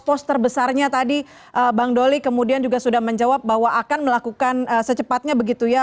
pos terbesarnya tadi bang doli kemudian juga sudah menjawab bahwa akan melakukan secepatnya begitu ya